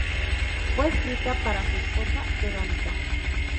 Fue escrita para su esposa, Verónica.